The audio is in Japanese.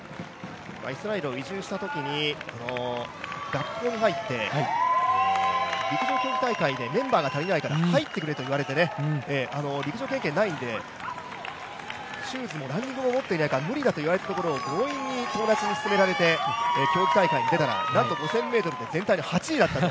イスラエルを移住したときに学校に入って、陸上競技大会でメンバーが足りないから入ってくれと言われて陸上経験ないので、シューズもランニングも持ってないところを強引に友達に勧められて、競技大会に出たら、なんと５０００ｍの全体で８位だったと。